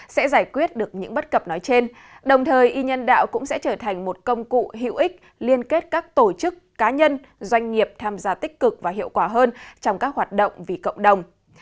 sẽ giải quyết được những bất cập nói trên đồng thời y nhân đạo cũng sẽ trở thành một công cụ hữu ích liên kết các tổ chức cá nhân doanh nghiệp tham gia tích cực và hiệu quả hơn trong các hoạt động vì cộng đồng